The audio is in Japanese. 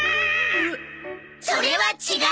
それは違う！